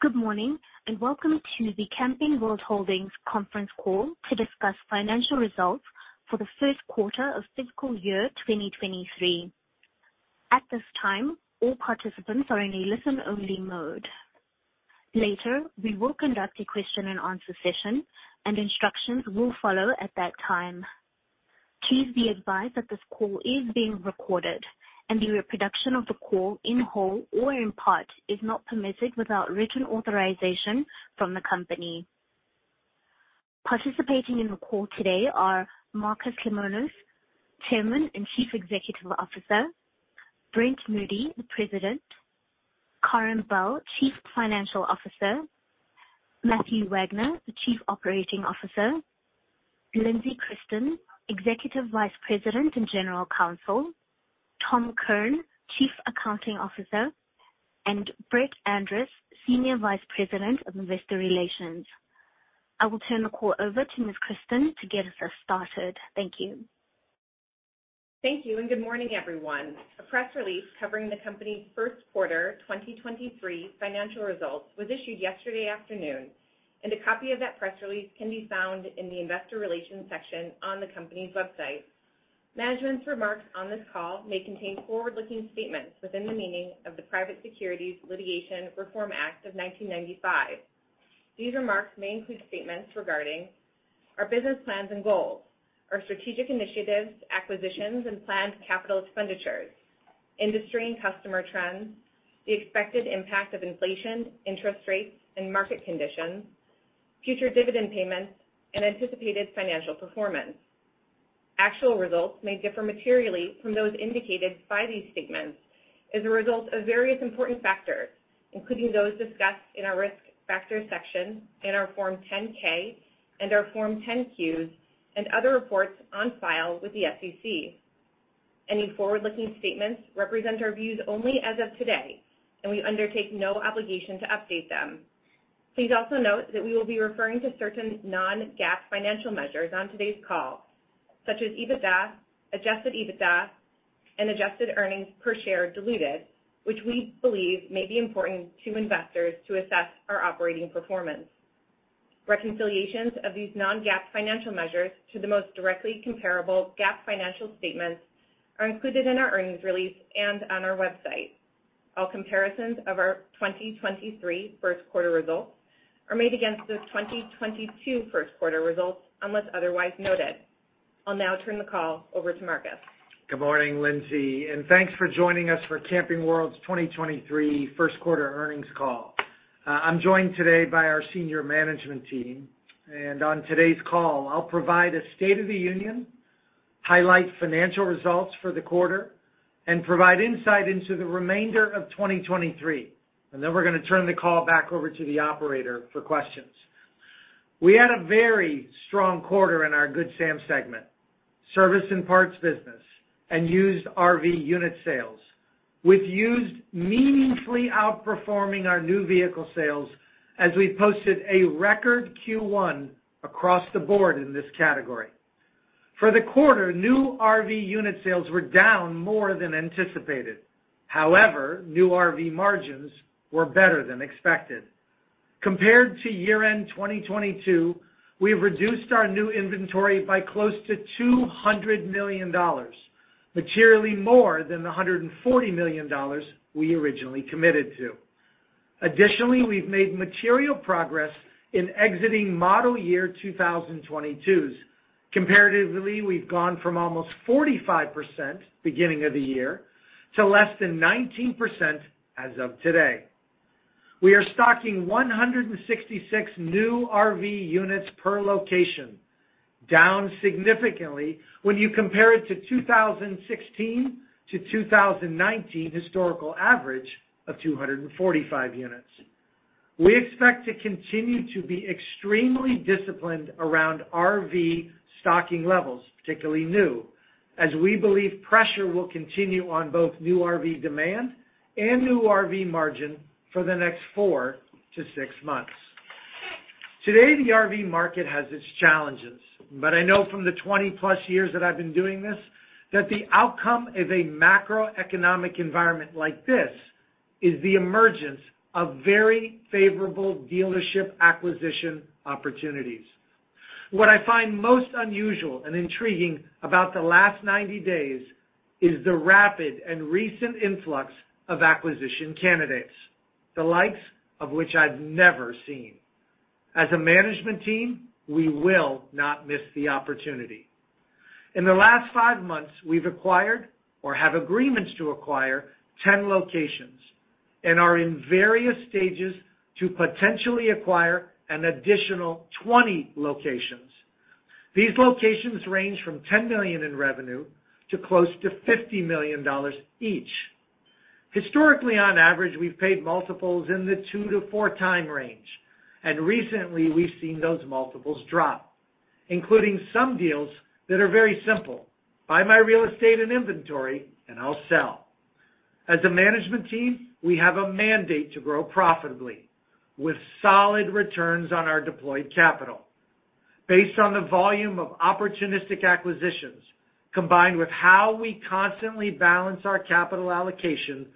Good morning. Welcome to the Camping World Holdings conference call to discuss financial results for the first quarter of fiscal year 2023. At this time, all participants are in a listen-only mode. Later, we will conduct a question-and-answer session and instructions will follow at that time. Please be advised that this call is being recorded and the reproduction of the call in whole or in part is not permitted without written authorization from the company. Participating in the call today are Marcus Lemonis, Chairman and Chief Executive Officer, Brent Moody, President, Karin Bell, Chief Financial Officer, Matthew Wagner, Chief Operating Officer, Lindsey Christen, Executive Vice President and General Counsel, Tom Kirn, Chief Accounting Officer, and Brett Andress, Senior Vice President of Investor Relations. I will turn the call over to Ms. Christen to get us started. Thank you. Thank you and good morning, everyone. A press release covering the company's first quarter 2023 financial results was issued yesterday afternoon, and a copy of that press release can be found in the investor relations section on the company's website. Management's remarks on this call may contain forward-looking statements within the meaning of the Private Securities Litigation Reform Act of 1995. These remarks may include statements regarding our business plans and goals, our strategic initiatives, acquisitions and planned capital expenditures, industry and customer trends, the expected impact of inflation, interest rates and market conditions, future dividend payments, and anticipated financial performance. Actual results may differ materially from those indicated by these statements as a result of various important factors, including those discussed in our Risk Factors section in our Form 10-K and our Form 10-Qs and other reports on file with the SEC. Any forward-looking statements represent our views only as of today. We undertake no obligation to update them. Please also note that we will be referring to certain non-GAAP financial measures on today's call, such as EBITDA, adjusted EBITDA, and adjusted earnings per share diluted, which we believe may be important to investors to assess our operating performance. Reconciliations of these non-GAAP financial measures to the most directly comparable GAAP financial statements are included in our earnings release and on our website. All comparisons of our 2023 first quarter results are made against the 2022 first quarter results unless otherwise noted. I'll now turn the call over to Marcus. Good morning, Lindsey, thanks for joining us for Camping World's 2023 first quarter earnings call. I'm joined today by our senior management team, and on today's call, I'll provide a state of the union, highlight financial results for the quarter, and provide insight into the remainder of 2023. Then we're gonna turn the call back over to the operator for questions. We had a very strong quarter in our Good Sam segment, service and parts business and used RV unit sales, with used meaningfully outperforming our new vehicle sales as we posted a record Q1 across the board in this category. For the quarter, new RV unit sales were down more than anticipated. However, new RV margins were better than expected. Compared to year-end 2022, we've reduced our new inventory by close to $200 million, materially more than the $140 million we originally committed to. We've made material progress in exiting model year 2022s. We've gone from almost 45% beginning of the year to less than 19% as of today. We are stocking 166 new RV units per location, down significantly when you compare it to 2016 to 2019 historical average of 245 units. We expect to continue to be extremely disciplined around RV stocking levels, particularly new, as we believe pressure will continue on both new RV demand and new RV margin for the next four to six months. Today, the RV market has its challenges. I know from the 20plus years that I've been doing this that the outcome of a macroeconomic environment like this is the emergence of very favorable dealership acquisition opportunities. What I find most unusual and intriguing about the last 90 days is the rapid and recent influx of acquisition candidates, the likes of which I've never seen. As a management team, we will not miss the opportunity. In the last five months, we've acquired or have agreements to acquire 10 locations and are in various stages to potentially acquire an additional 20 locations. These locations range from $10 million in revenue to close to $50 million each. Historically, on average, we've paid multiples in the 2x to 4x range, and recently we've seen those multiples drop, including some deals that are very simple. Buy my real estate and inventory, I'll sell. As a management team, we have a mandate to grow profitably with solid returns on our deployed capital. Based on the volume of opportunistic acquisitions, combined with how we constantly balance our capital allocation,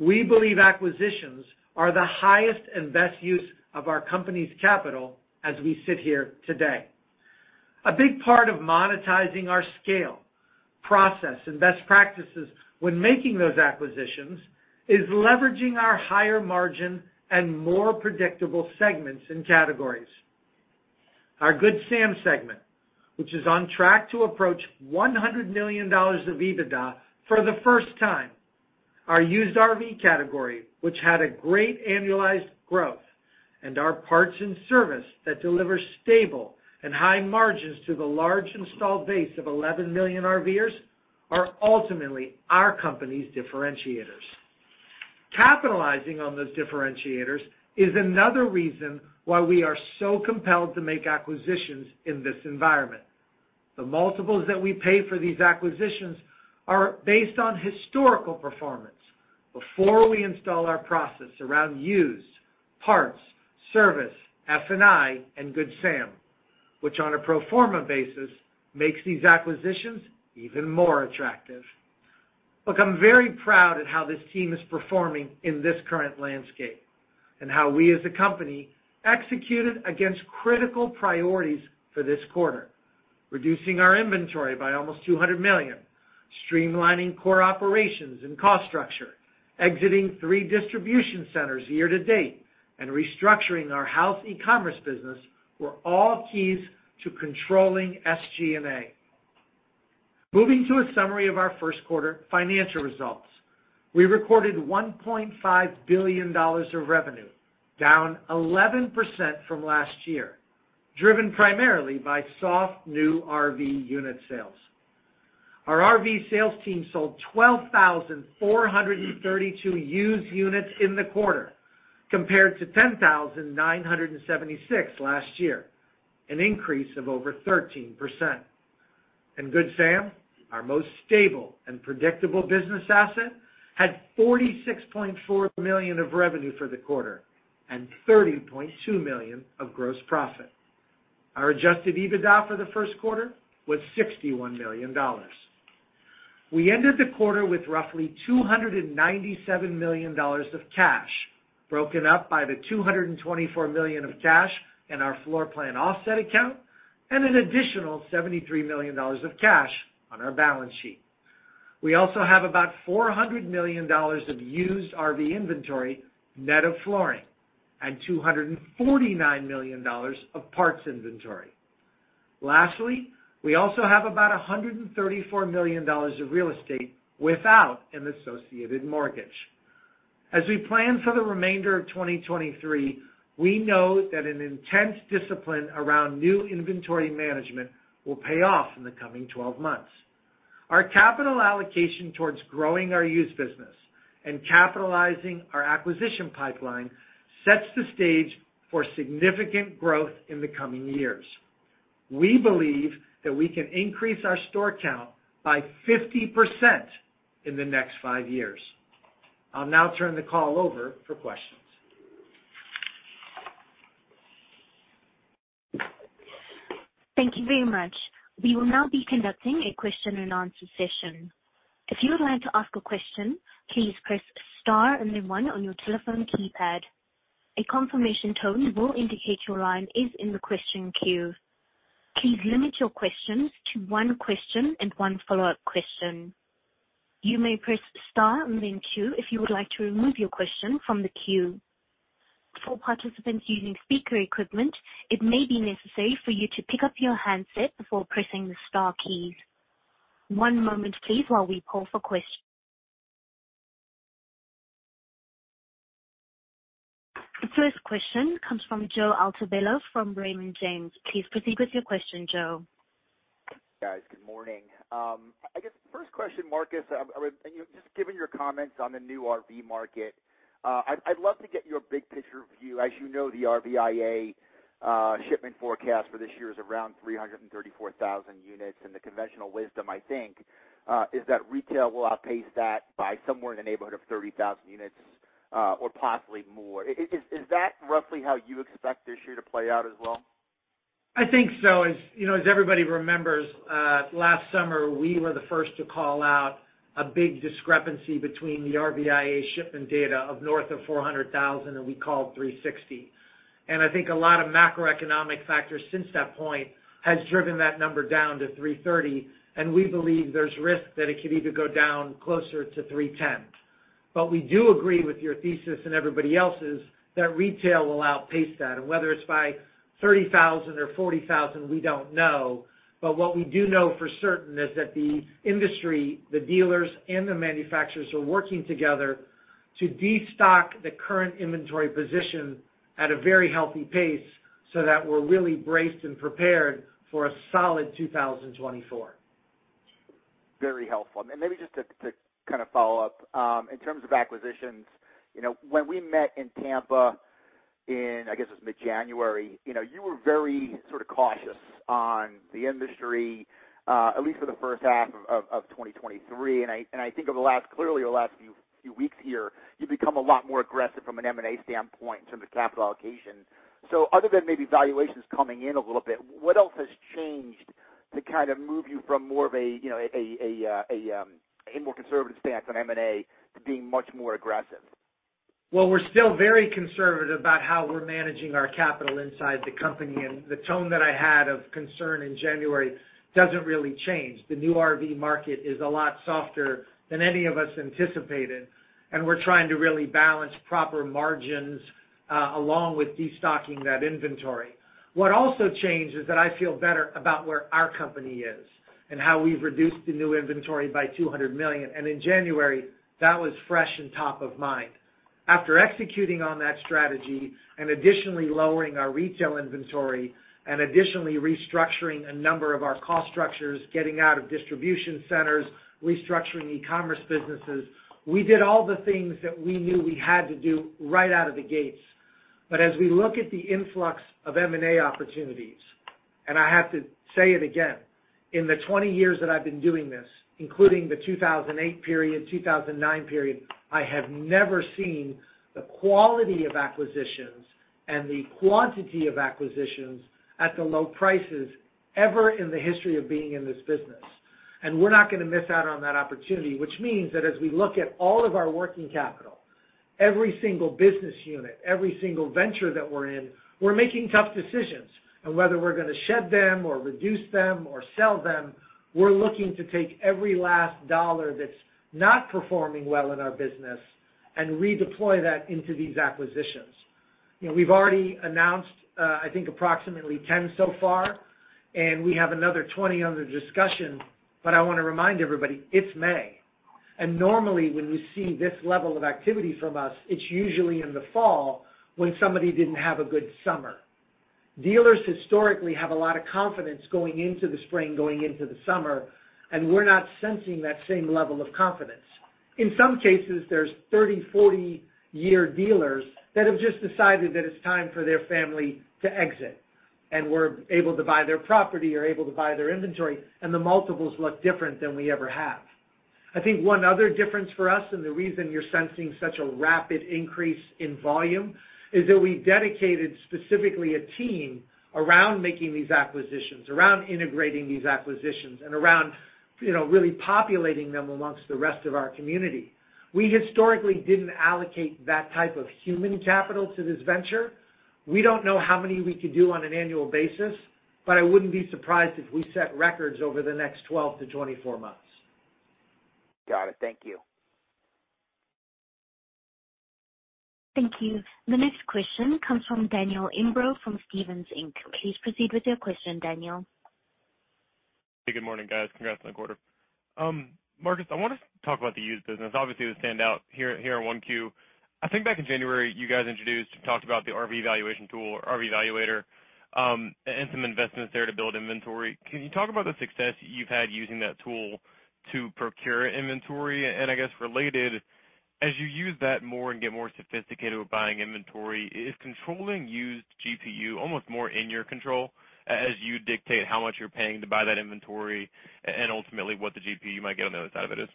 we believe acquisitions are the highest and best use of our company's capital as we sit here today. A big part of monetizing our scale, process, and best practices when making those acquisitions is leveraging our higher margin and more predictable segments and categories. Our Good Sam segment, which is on track to approach $100 million of EBITDA for the first time, our used RV category, which had a great annualized growth, and our parts and service that delivers stable and high margins to the large installed base of 11 million RVers, are ultimately our company's differentiators. Capitalizing on those differentiators is another reason why we are so compelled to make acquisitions in this environment. The multiples that we pay for these acquisitions are based on historical performance before we install our process around used, parts, service, F&I, and Good Sam, which on a pro forma basis, makes these acquisitions even more attractive. I'm very proud at how this team is performing in this current landscape and how we as a company executed against critical priorities for this quarter. Reducing our inventory by almost $200 million, streamlining core operations and cost structure, exiting three distribution centers year-to-date, and restructuring our house e-commerce business were all keys to controlling SG&A. Moving to a summary of our first quarter financial results. We recorded $1.5 billion of revenue, down 11% from last year, driven primarily by soft new RV unit sales. Our RV sales team sold 12,432 used units in the quarter compared to 10,976 last year, an increase of over 13%. Good Sam, our most stable and predictable business asset, had $46.4 million of revenue for the quarter and $30.2 million of gross profit. Our adjusted EBITDA for the first quarter was $61 million. We ended the quarter with roughly $297 million of cash, broken up by the $224 million of cash in our floorplan offset account and an additional $73 million of cash on our balance sheet. We also have about $400 million of used RV inventory, net of flooring, and $249 million of parts inventory. Lastly, we also have about $134 million of real estate without an associated mortgage. As we plan for the remainder of 2023, we know that an intense discipline around new inventory management will pay off in the coming 12 months. Our capital allocation towards growing our used business and capitalizing our acquisition pipeline sets the stage for significant growth in the coming years. We believe that we can increase our store count by 50% in the next five years. I'll now turn the call over for questions. Thank you very much. We will now be conducting a question and answer session. If you would like to ask a question, please press star and then 1 on your telephone keypad. A confirmation tone will indicate your line is in the question queue. Please limit your questions to 1 question and 1 follow-up question. You may press star and then 2 if you would like to remove your question from the queue. For participants using speaker equipment, it may be necessary for you to pick up your handset before pressing the star key. One moment please while we call for. The first question comes from Joe Altobello from Raymond James. Please proceed with your question, Joe. Guys, good morning. I guess first question, Marcus, you know, just given your comments on the new RV market, I'd love to get your big picture view. As you know, the RVIA shipment forecast for this year is around 334,000 units, the conventional wisdom, I think, is that retail will outpace that by somewhere in the neighborhood of 30,000 units, or possibly more. Is that roughly how you expect this year to play out as well? I think so. As you know, as everybody remembers, last summer we were the first to call out a big discrepancy between the RVIA shipment data of north of 400,000, and we called 360,000. I think a lot of macroeconomic factors since that point has driven that number down to 330,000, and we believe there's risk that it could even go down closer to 310,000. We do agree with your thesis and everybody else's that retail will outpace that. Whether it's by 30,000 or 40,000, we don't know. What we do know for certain is that the industry, the dealers, and the manufacturers are working together to destock the current inventory position at a very healthy pace so that we're really braced and prepared for a solid 2024. Very helpful. Maybe just to kind of follow up, in terms of acquisitions, you know, when we met in Tampa in, I guess, it was mid-January, you know, you were very sort of cautious on the industry, at least for the first half of 2023. I think over the last clearly the last few weeks here, you've become a lot more aggressive from an M&A standpoint in terms of capital allocation. Other than maybe valuations coming in a little bit, what else has changed to kind of move you from more of a, you know, a more conservative stance on M&A to being much more aggressive? Well, we're still very conservative about how we're managing our capital inside the company. The tone that I had of concern in January doesn't really change. The new RV market is a lot softer than any of us anticipated, and we're trying to really balance proper margins along with destocking that inventory. What also changed is that I feel better about where our company is and how we've reduced the new inventory by $200 million. In January, that was fresh and top of mind. After executing on that strategy and additionally lowering our retail inventory and additionally restructuring a number of our cost structures, getting out of distribution centers, restructuring e-commerce businesses, we did all the things that we knew we had to do right out of the gates. As we look at the influx of M&A opportunities, I have to say it again, in the 20 years that I've been doing this, including the 2008 period, 2009 period, I have never seen the quality of acquisitions and the quantity of acquisitions at the low prices ever in the history of being in this business. We're not gonna miss out on that opportunity, which means that as we look at all of our working capital, every single business unit, every single venture that we're in, we're making tough decisions on whether we're gonna shed them or reduce them or sell them. We're looking to take every last dollar that's not performing well in our business and redeploy that into these acquisitions. You know, we've already announced, I think approximately 10 so far, and we have another 20 under discussion. I wanna remind everybody, it's May. Normally when you see this level of activity from us, it's usually in the fall when somebody didn't have a good summer. Dealers historically have a lot of confidence going into the spring, going into the summer, and we're not sensing that same level of confidence. In some cases, there's 30, 40-year dealers that have just decided that it's time for their family to exit, and we're able to buy their property or able to buy their inventory, and the multiples look different than we ever have. I think one other difference for us and the reason you're sensing such a rapid increase in volume is that we dedicated specifically a team around making these acquisitions, around integrating these acquisitions, and around, you know, really populating them amongst the rest of our community. We historically didn't allocate that type of human capital to this venture. We don't know how many we could do on an annual basis. I wouldn't be surprised if we set records over the next 12-24 months. Got it. Thank you. Thank you. The next question comes from Daniel Imbro from Stephens Inc. Please proceed with your question, Daniel. Good morning, guys. Congrats on the quarter. Marcus, I want to talk about the used business, obviously the standout here in 1Q. I think back in January, you guys introduced and talked about the RV valuation tool or RV Valuator, and some investments there to build inventory. Can you talk about the success you've had using that tool to procure inventory? I guess related, as you use that more and get more sophisticated with buying inventory, is controlling used GPU almost more in your control as you dictate how much you're paying to buy that inventory and ultimately what the GPU you might get on the other side of it is?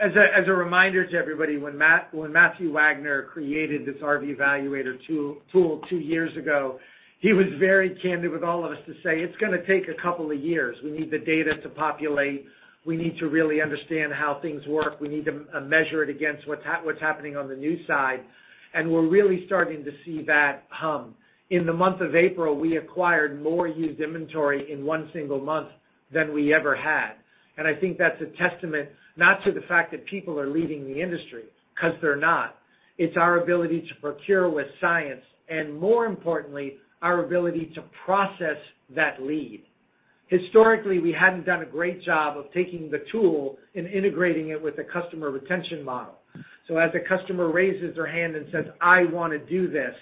As a reminder to everybody, when Matthew Wagner created this RV evaluator tool 2 years ago, he was very candid with all of us to say, "It's gonna take a couple of years. We need the data to populate. We need to really understand how things work. We need to measure it against what's happening on the new side." We're really starting to see that hum. In the month of April, we acquired more used inventory in 1 single month than we ever had. I think that's a testament not to the fact that people are leaving the industry, 'cause they're not. It's our ability to procure with science and, more importantly, our ability to process that lead. Historically, we hadn't done a great job of taking the tool and integrating it with a customer retention model. As the customer raises their hand and says, "I wanna do this,"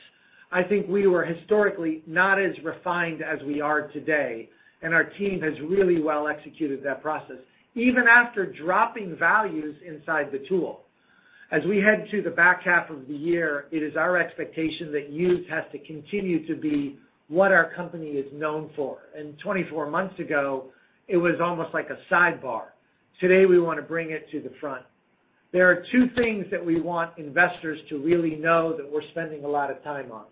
I think we were historically not as refined as we are today, and our team has really well executed that process even after dropping values inside the tool. As we head to the back half of the year, it is our expectation that used has to continue to be what our company is known for. 24 months ago, it was almost like a sidebar. Today, we wanna bring it to the front. There are two things that we want investors to really know that we're spending a lot of time on.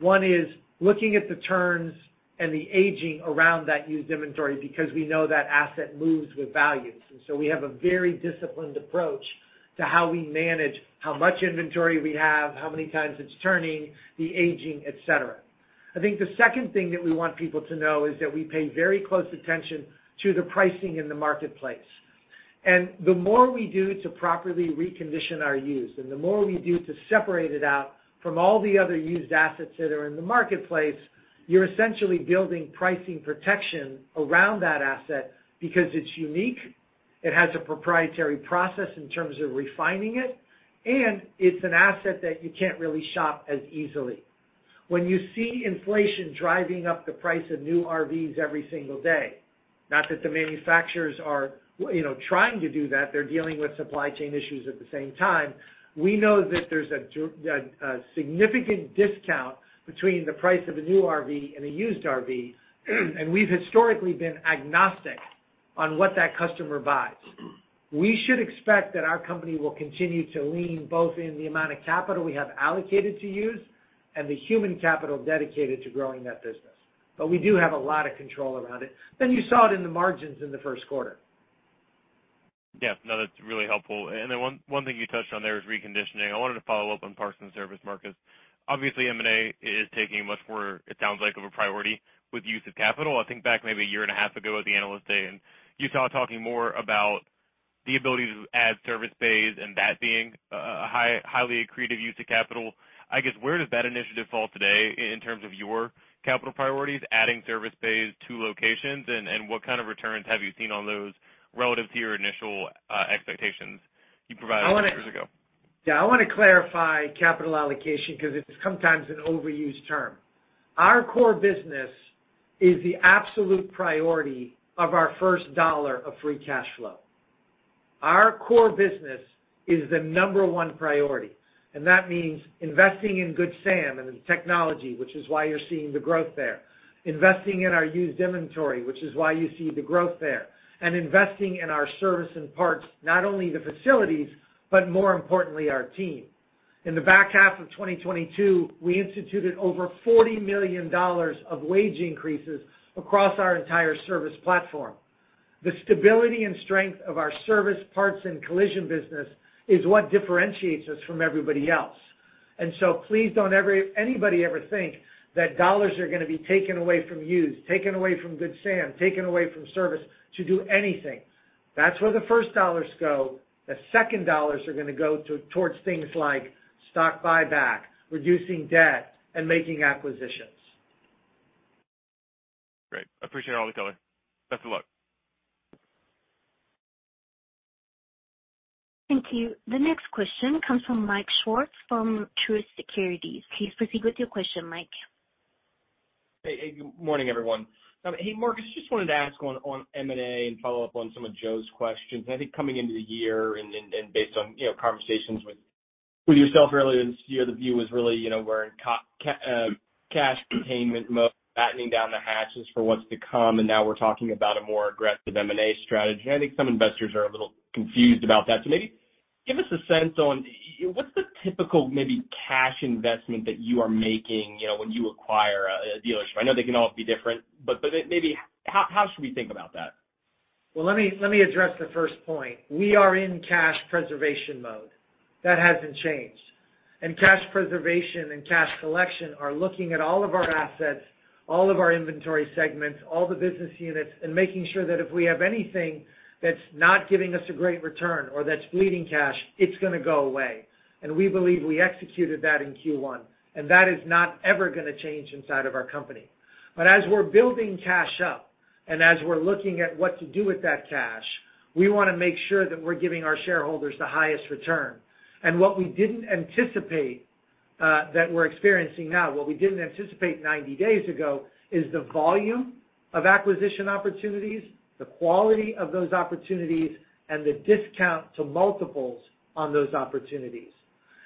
One is looking at the turns and the aging around that used inventory because we know that asset moves with values. We have a very disciplined approach to how we manage how much inventory we have, how many times it's turning, the aging, et cetera. I think the second thing that we want people to know is that we pay very close attention to the pricing in the marketplace. The more we do to properly recondition our used, and the more we do to separate it out from all the other used assets that are in the marketplace, you're essentially building pricing protection around that asset because it's unique, it has a proprietary process in terms of refining it, and it's an asset that you can't really shop as easily. When you see inflation driving up the price of new RVs every single day. Not that the manufacturers are, you know, trying to do that. They're dealing with supply chain issues at the same time. We know that there's a significant discount between the price of a new RV and a used RV, and we've historically been agnostic on what that customer buys. We should expect that our company will continue to lean both in the amount of capital we have allocated to use and the human capital dedicated to growing that business. We do have a lot of control around it. You saw it in the margins in the first quarter. Yeah. No, that's really helpful. Then one thing you touched on there is reconditioning. I wanted to follow up on parts and service markets. Obviously, M&A is taking much more, it sounds like, of a priority with use of capital. I think back maybe a year and a half ago at the Analyst Day, you saw talking more about the ability to add service base and that being a highly accretive use of capital. I guess, where does that initiative fall today in terms of your capital priorities, adding service base to locations? What kind of returns have you seen on those relative to your initial expectations you provided a few years ago? Yeah. I want to clarify capital allocation because it's sometimes an overused term. Our core business is the absolute priority of our first dollar of free cash flow. Our core business is the number one priority, and that means investing in Good Sam and in technology, which is why you're seeing the growth there. Investing in our used inventory, which is why you see the growth there. Investing in our service and parts, not only the facilities, but more importantly, our team. In the back half of 2022, we instituted over $40 million of wage increases across our entire service platform. The stability and strength of our service, parts, and collision business is what differentiates us from everybody else. Please don't anybody ever think that dollars are going to be taken away from used, taken away from Good Sam, taken away from service to do anything. That's where the first dollars go. The second dollars are going to go towards things like stock buyback, reducing debt, and making acquisitions. Great. Appreciate all the color. Best of luck. Thank you. The next question comes from Michael Swartz from Truist Securities. Please proceed with your question, Mike. Hey. Good morning, everyone. Hey, Marcus, just wanted to ask on M&A and follow up on some of Joe's questions. I think coming into the year and based on, you know, conversations with yourself earlier this year, the view was really, you know, we're in cash containment mode, battening down the hatches for what's to come, and now we're talking about a more aggressive M&A strategy. I think some investors are a little confused about that. Maybe give us a sense on what's the typical maybe cash investment that you are making, you know, when you acquire a dealership. I know they can all be different, but maybe how should we think about that? Well, let me address the first point. We are in cash preservation mode. That hasn't changed. Cash preservation and cash collection are looking at all of our assets, all of our inventory segments, all the business units, and making sure that if we have anything that's not giving us a great return or that's bleeding cash, it's going to go away. We believe we executed that in Q1, and that is not ever going to change inside of our company. As we're building cash up and as we're looking at what to do with that cash, we want to make sure that we're giving our shareholders the highest return. What we didn't anticipate, that we're experiencing now, what we didn't anticipate 90 days ago is the volume of acquisition opportunities, the quality of those opportunities, and the discount to multiples on those opportunities.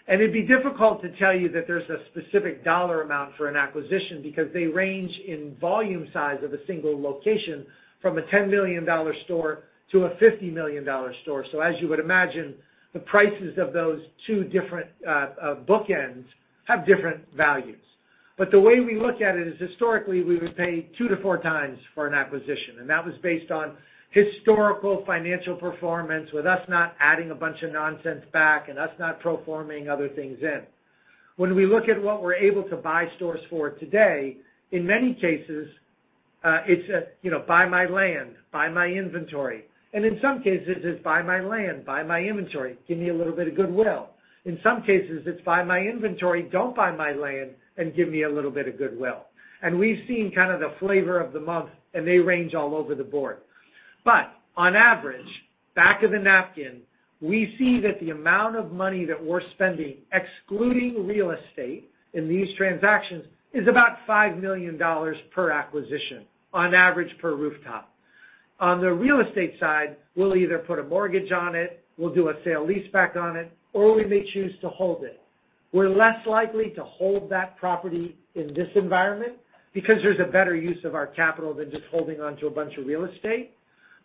It'd be difficult to tell you that there's a specific dollar amount for an acquisition because they range in volume size of a single location from a $10 million store to a $50 million store. As you would imagine, the prices of those two different bookends have different values. The way we look at it is historically, we would pay two to four times for an acquisition, and that was based on historical financial performance with us not adding a bunch of nonsense back and us not preforming other things in. When we look at what we're able to buy stores for today, in many cases, it's a, you know, buy my land, buy my inventory. In some cases, it's buy my land, buy my inventory, give me a little bit of goodwill. In some cases, it's buy my inventory, don't buy my land, and give me a little bit of goodwill. We've seen kind of the flavor of the month, and they range all over the board. On average, back of the napkin, we see that the amount of money that we're spending, excluding real estate in these transactions, is about $5 million per acquisition on average per rooftop. On the real estate side, we'll either put a mortgage on it, we'll do a sale leaseback on it, or we may choose to hold it. We're less likely to hold that property in this environment because there's a better use of our capital than just holding onto a bunch of real estate.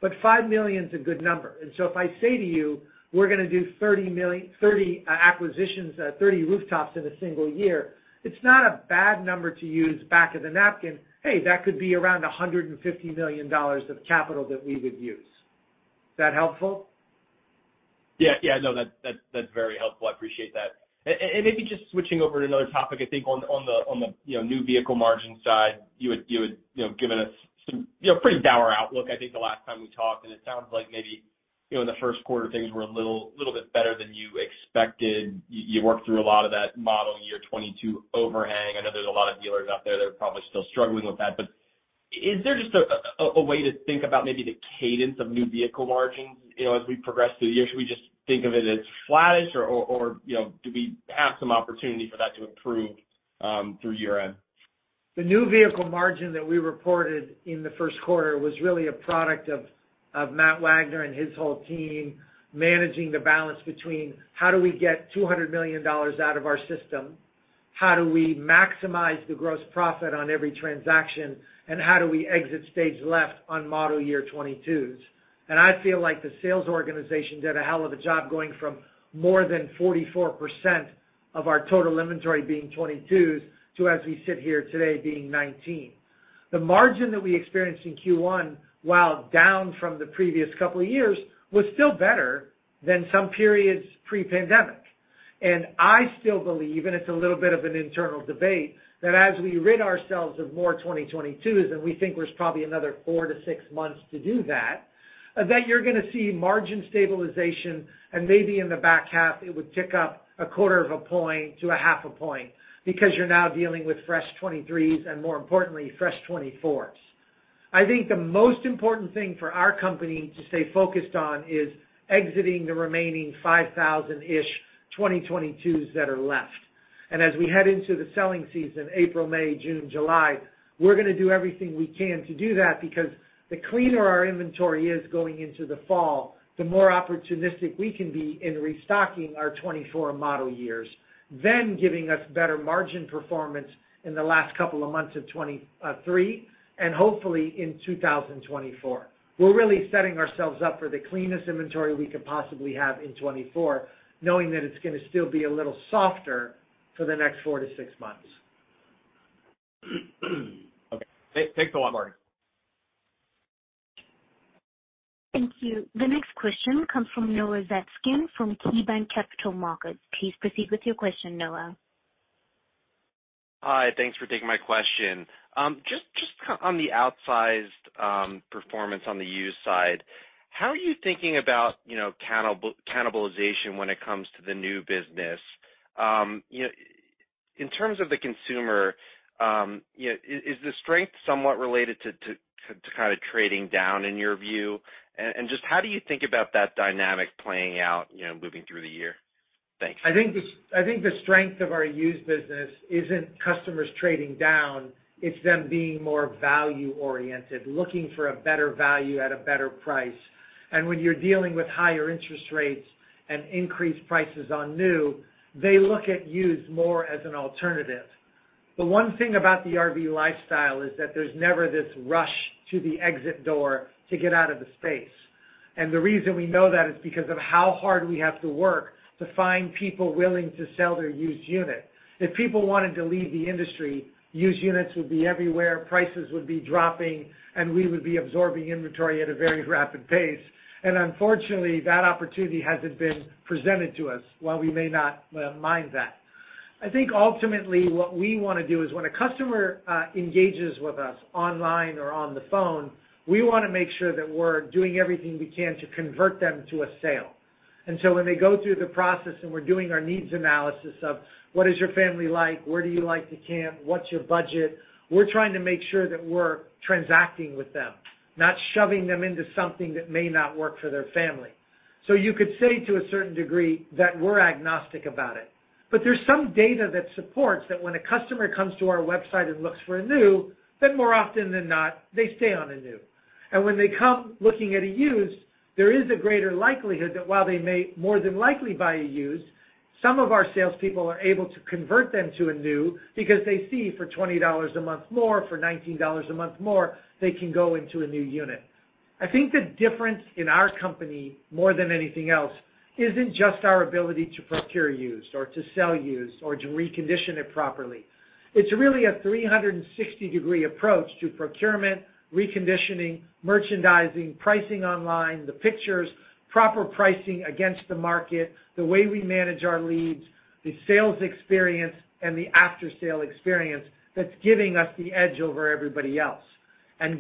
$5 million is a good number. If I say to you, we're going to do 30 acquisitions, 30 rooftops in a single year, it's not a bad number to use back of the napkin. Hey, that could be around $150 million of capital that we would use. Is that helpful? Yeah. No, that's very helpful. I appreciate that. Maybe just switching over to another topic, I think on the, you know, new vehicle margin side, you would, you know, given us some, you know, pretty dour outlook, I think the last time we talked, and it sounds like maybe, you know, in the first quarter, things were a little bit better than you expected. You worked through a lot of that model year 22 overhang. I know there's a lot of dealers out there that are probably still struggling with that. Is there just a way to think about maybe the cadence of new vehicle margins, you know, as we progress through the year? Should we just think of it as flattish or, you know, do we have some opportunity for that to improve? through year-end. The new vehicle margin that we reported in the first quarter was really a product of Matt Wagner and his whole team managing the balance between how do we get $200 million out of our system? How do we maximize the gross profit on every transaction, and how do we exit stage left on model year 2022s. I feel like the sales organization did a hell of a job going from more than 44% of our total inventory being 2022s to, as we sit here today, being 19. The margin that we experienced in Q1, while down from the previous couple of years, was still better than some periods pre-pandemic. I still believe, and it's a little bit of an internal debate, that as we rid ourselves of more 2022s, and we think there's probably another four to six months to do that you're gonna see margin stabilization, and maybe in the back half, it would tick up a quarter of a point to a half a point because you're now dealing with fresh 2023s and more importantly, fresh 2024s. I think the most important thing for our company to stay focused on is exiting the remaining 5,000-ish 2022s that are left. As we head into the selling season, April, May, June, July, we're gonna do everything we can to do that because the cleaner our inventory is going into the fall, the more opportunistic we can be in restocking our 2024 model years, then giving us better margin performance in the last couple of months of 2023 and hopefully in 2024. We're really setting ourselves up for the cleanest inventory we could possibly have in 2024, knowing that it's gonna still be a little softer for the next four to six months. Okay. Thanks a lot, Marty. Thank you. The next question comes from Noah Zatzkin from KeyBanc Capital Markets. Please proceed with your question, Noah. Hi. Thanks for taking my question. Just on the outsized performance on the used side, how are you thinking about, you know, cannibalization when it comes to the new business? You know, in terms of the consumer, you know, is the strength somewhat related to kind of trading down in your view? Just how do you think about that dynamic playing out, you know, moving through the year? Thanks. I think the strength of our used business isn't customers trading down, it's them being more value-oriented, looking for a better value at a better price. When you're dealing with higher interest rates and increased prices on new, they look at used more as an alternative. The one thing about the RV lifestyle is that there's never this rush to the exit door to get out of the space. The reason we know that is because of how hard we have to work to find people willing to sell their used unit. If people wanted to leave the industry, used units would be everywhere, prices would be dropping, and we would be absorbing inventory at a very rapid pace. Unfortunately, that opportunity hasn't been presented to us while we may not mind that. I think ultimately what we wanna do is when a customer engages with us online or on the phone, we wanna make sure that we're doing everything we can to convert them to a sale. When they go through the process and we're doing our needs analysis of what is your family like, where do you like to camp, what's your budget, we're trying to make sure that we're transacting with them, not shoving them into something that may not work for their family. You could say to a certain degree that we're agnostic about it. There's some data that supports that when a customer comes to our website and looks for a new, then more often than not, they stay on a new. When they come looking at a used, there is a greater likelihood that while they may more than likely buy a used, some of our salespeople are able to convert them to a new because they see for $20 a month more, for $19 a month more, they can go into a new unit. I think the difference in our company, more than anything else, isn't just our ability to procure used or to sell used or to recondition it properly. It's really a 360-degree approach to procurement, reconditioning, merchandising, pricing online, the pictures, proper pricing against the market, the way we manage our leads, the sales experience and the after-sale experience that's giving us the edge over everybody else.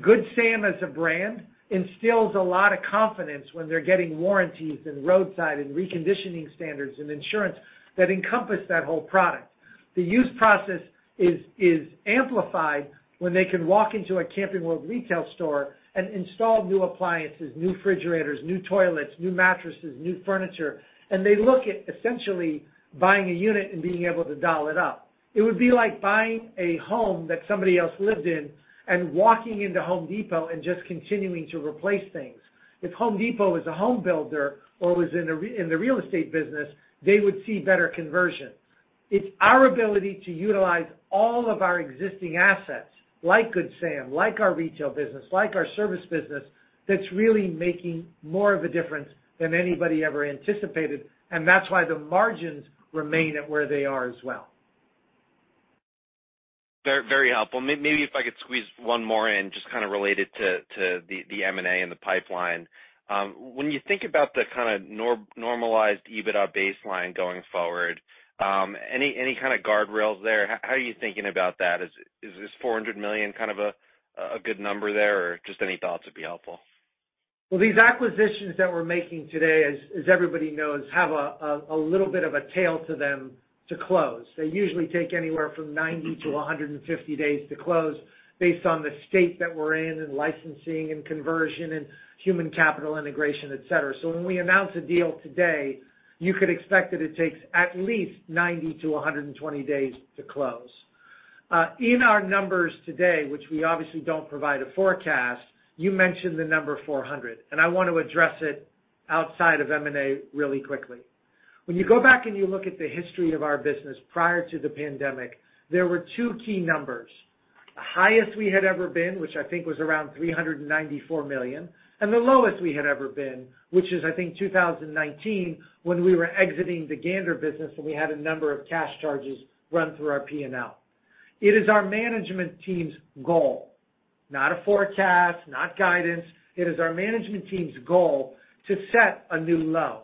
Good Sam, as a brand, instills a lot of confidence when they're getting warranties and roadside and reconditioning standards and insurance that encompass that whole product. The used process is amplified when they can walk into a Camping World retail store and install new appliances, new refrigerators, new toilets, new mattresses, new furniture, and they look at essentially buying a unit and being able to doll it up. It would be like buying a home that somebody else lived in and walking into Home Depot and just continuing to replace things. If Home Depot was a home builder or was in the real estate business, they would see better conversion. It's our ability to utilize all of our existing assets, like Good Sam, like our retail business, like our service business, that's really making more of a difference than anybody ever anticipated, and that's why the margins remain at where they are as well. Very helpful. Maybe if I could squeeze one more in, just kind of related to the M&A and the pipeline. When you think about the kind of normalized EBITDA baseline going forward, any kind of guardrails there? How are you thinking about that? Is this $400 million kind of a good number there, or just any thoughts would be helpful? Well, these acquisitions that we're making today, as everybody knows, have a little bit of a tail to them to close. They usually take anywhere from 90 to 150 days to close based on the state that we're in and licensing and conversion and human capital integration, et cetera. When we announce a deal today, you could expect that it takes at least 90 to 120 days to close. In our numbers today, which we obviously don't provide a forecast, you mentioned the number 400, and I want to address it outside of M&A really quickly. When you go back and you look at the history of our business prior to the pandemic, there were two key numbers. The highest we had ever been, which I think was around $394 million. The lowest we had ever been, which is, I think, 2019 when we were exiting the Gander business. We had a number of cash charges run through our P&L. It is our management team's goal, not a forecast, not guidance. It is our management team's goal to set a new low.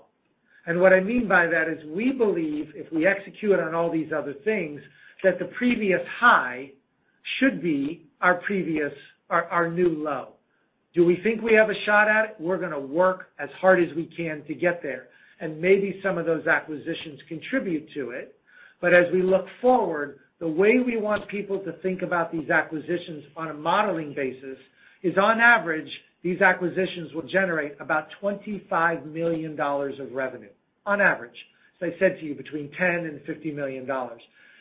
What I mean by that is we believe if we execute on all these other things, that the previous high should be our new low. Do we think we have a shot at it? We're gonna work as hard as we can to get there, and maybe some of those acquisitions contribute to it. As we look forward, the way we want people to think about these acquisitions on a modeling basis is, on average, these acquisitions will generate about $25 million of revenue. On average. As I said to you, between $10 million and $50 million.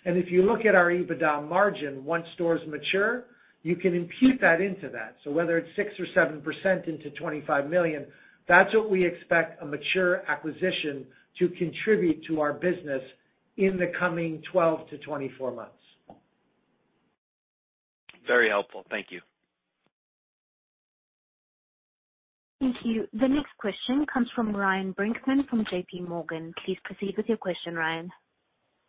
If you look at our EBITDA margin, once stores mature, you can impute that into that. Whether it's 6% or 7% into $25 million, that's what we expect a mature acquisition to contribute to our business in the coming 12 to 24 months. Very helpful. Thank you. Thank you. The next question comes from Ryan Brinkman from J.P. Morgan. Please proceed with your question, Ryan.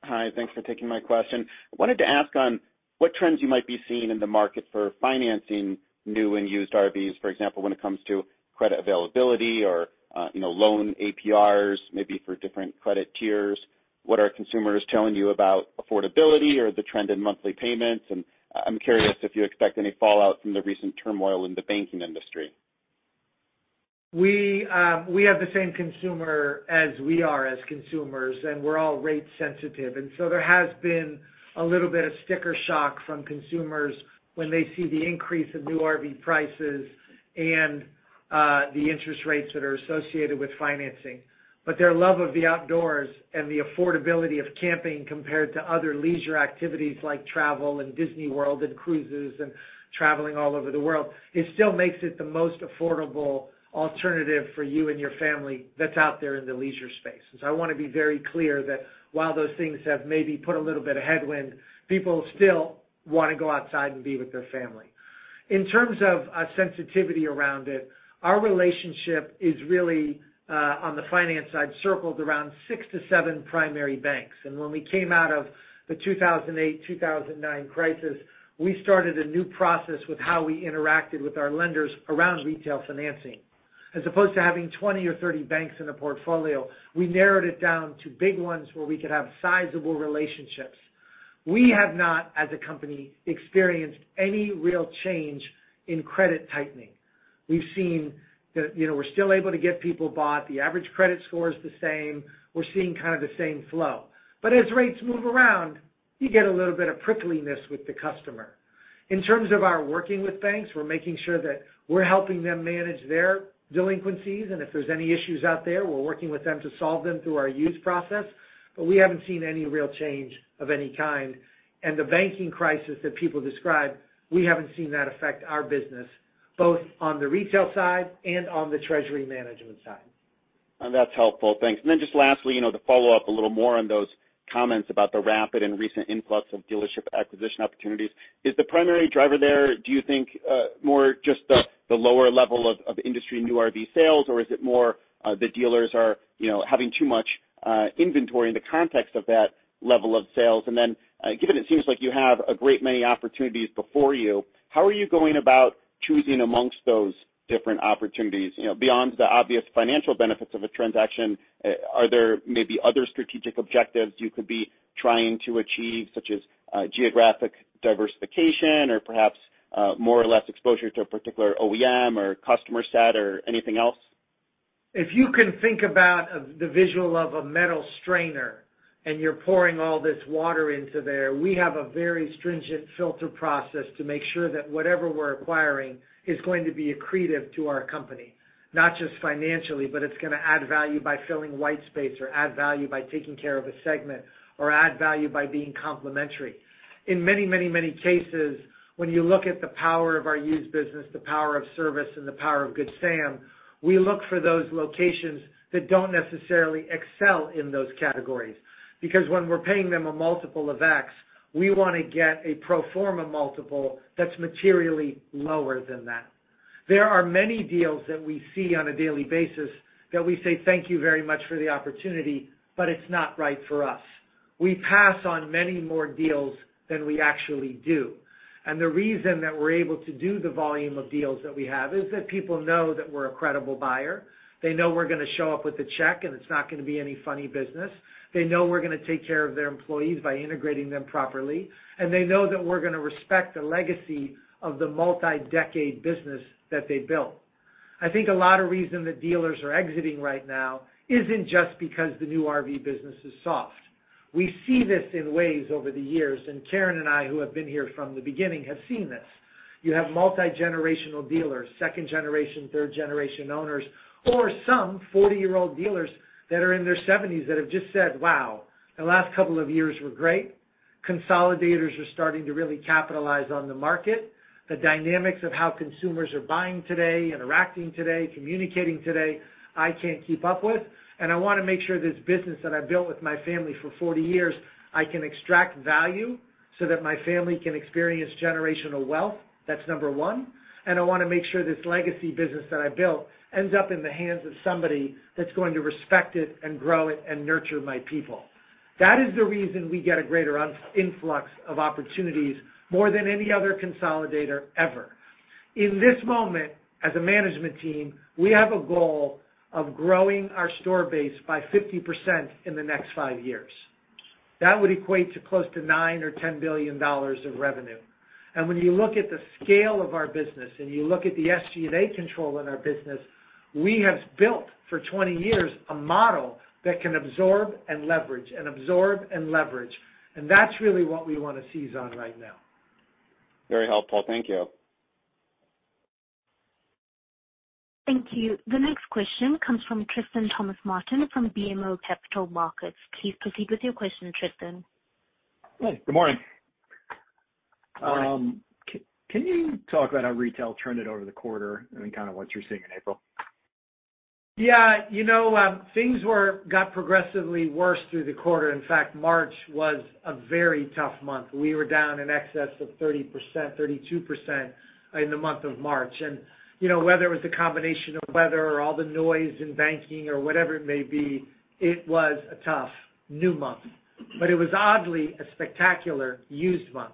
Hi. Thanks for taking my question. I wanted to ask on what trends you might be seeing in the market for financing new and used RVs, for example, when it comes to credit availability or, you know, loan APRs, maybe for different credit tiers. What are consumers telling you about affordability or the trend in monthly payments? I'm curious if you expect any fallout from the recent turmoil in the banking industry. We have the same consumer as we are as consumers, we're all rate sensitive. There has been a little bit of sticker shock from consumers when they see the increase of new RV prices and the interest rates that are associated with financing. Their love of the outdoors and the affordability of camping compared to other leisure activities like travel and Disney World and cruises and traveling all over the world, it still makes it the most affordable alternative for you and your family that's out there in the leisure space. I wanna be very clear that while those things have maybe put a little bit of headwind, people still wanna go outside and be with their family. In terms of sensitivity around it, our relationship is really on the finance side, circled around 6-7 primary banks. When we came out of the 2008, 2009 crisis, we started a new process with how we interacted with our lenders around retail financing. As opposed to having 20 or 30 banks in a portfolio, we narrowed it down to big ones where we could have sizable relationships. We have not, as a company, experienced any real change in credit tightening. We've seen that, you know, we're still able to get people bought. The average credit score is the same. We're seeing kind of the same flow. As rates move around, you get a little bit of prickliness with the customer. In terms of our working with banks, we're making sure that we're helping them manage their delinquencies. If there's any issues out there, we're working with them to solve them through our used process. We haven't seen any real change of any kind. The banking crisis that people describe, we haven't seen that affect our business, both on the retail side and on the treasury management side. That's helpful. Thanks. Just lastly, you know, to follow up a little more on those comments about the rapid and recent influx of dealership acquisition opportunities. Is the primary driver there, do you think, more just the lower level of industry new RV sales, or is it more the dealers are, you know, having too much inventory in the context of that level of sales? Given it seems like you have a great many opportunities before you, how are you going about choosing amongst those different opportunities? You know, beyond the obvious financial benefits of a transaction, are there maybe other strategic objectives you could be trying to achieve, such as geographic diversification or perhaps more or less exposure to a particular OEM or customer set or anything else? If you can think about the visual of a metal strainer and you're pouring all this water into there, we have a very stringent filter process to make sure that whatever we're acquiring is going to be accretive to our company, not just financially, but it's gonna add value by filling white space or add value by taking care of a segment or add value by being complementary. In many, many, many cases, when you look at the power of our used business, the power of service, and the power of Good Sam, we look for those locations that don't necessarily excel in those categories. Because when we're paying them a multiple of X, we wanna get a pro forma multiple that's materially lower than that. There are many deals that we see on a daily basis that we say thank you very much for the opportunity, it's not right for us. We pass on many more deals than we actually do. The reason that we're able to do the volume of deals that we have is that people know that we're a credible buyer. They know we're gonna show up with a check, it's not gonna be any funny business. They know we're gonna take care of their employees by integrating them properly, they know that we're gonna respect the legacy of the multi-decade business that they built. I think a lot of reason that dealers are exiting right now isn't just because the new RV business is soft. We see this in waves over the years, and Karen and I, who have been here from the beginning, have seen this. You have multi-generational dealers, second generation, third generation owners, or some 40-year-old dealers that are in their 70s that have just said, "Wow, the last couple of years were great. Consolidators are starting to really capitalize on the market. The dynamics of how consumers are buying today, interacting today, communicating today, I can't keep up with." I wanna make sure this business that I built with my family for 40 years, I can extract value so that my family can experience generational wealth. That's number 1. I wanna make sure this legacy business that I built ends up in the hands of somebody that's going to respect it and grow it and nurture my people." That is the reason we get a greater influx of opportunities more than any other consolidator ever. In this moment, as a management team, we have a goal of growing our store base by 50% in the next Five years. That would equate to close to $9 or 10 billion of revenue. When you look at the scale of our business and you look at the SG&A control in our business, we have built for 20 years a model that can absorb and leverage and absorb and leverage. That's really what we wanna seize on right now. Very helpful. Thank you. Thank you. The next question comes from Tristan Thomas-Martin from BMO Capital Markets. Please proceed with your question, Tristan. Hi, good morning. Good morning. Can you talk about how retail trended over the quarter and then kind of what you're seeing in April? Yeah. You know, things got progressively worse through the quarter. In fact, March was a very tough month. We were down in excess of 30%, 32% in the month of March. You know, whether it was the combination of weather or all the noise in banking or whatever it may be, it was a tough new month. It was oddly a spectacular used month.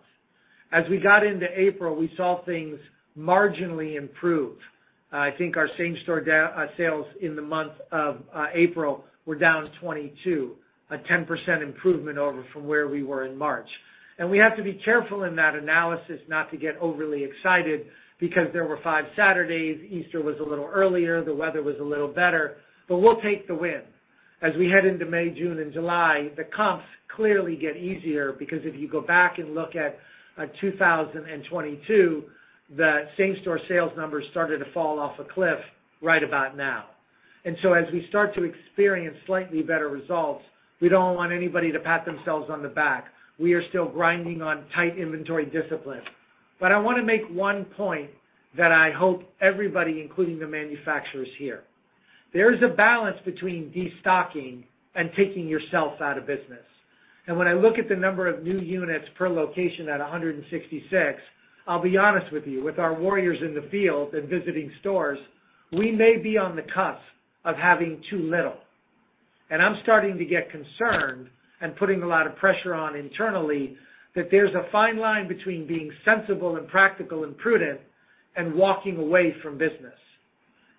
As we got into April, we saw things marginally improve. I think our same-store sales in the month of April were down 22%, a 10% improvement over from where we were in March. We have to be careful in that analysis not to get overly excited because there were 5 Saturdays, Easter was a little earlier, the weather was a little better, but we'll take the win. As we head into May, June, and July, the comps clearly get easier because if you go back and look at 2022, the same-store sales numbers started to fall off a cliff right about now. As we start to experience slightly better results, we don't want anybody to pat themselves on the back. We are still grinding on tight inventory discipline. I wanna make one point that I hope everybody, including the manufacturers here. There's a balance between destocking and taking yourself out of business. When I look at the number of new units per location at 166, I'll be honest with you, with our warriors in the field and visiting stores, we may be on the cusp of having too little. I'm starting to get concerned and putting a lot of pressure on internally that there's a fine line between being sensible and practical and prudent, and walking away from business.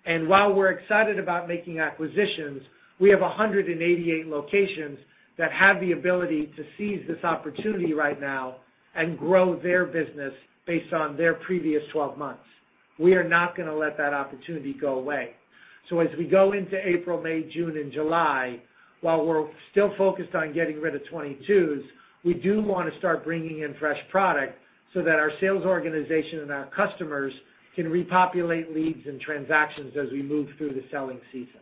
While we're excited about making acquisitions, we have 188 locations that have the ability to seize this opportunity right now and grow their business based on their previous 12 months. We are not gonna let that opportunity go away. As we go into April, May, June, and July, while we're still focused on getting rid of 2022s, we do wanna start bringing in fresh product so that our sales organization and our customers can repopulate leads and transactions as we move through the selling season.